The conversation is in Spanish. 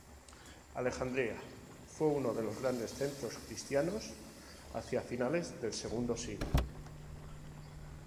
Alejandría fue uno de los grandes centros cristianos hacia finales del segundo siglo.